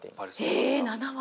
ええ７割！